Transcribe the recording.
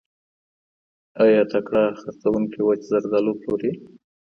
ایا تکړه خرڅوونکي وچ زردالو پلوري؟